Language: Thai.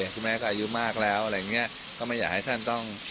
คุณแม่ก็อายุมากแล้วอะไรอย่างนี้ก็ไม่อยากให้ท่านต้อง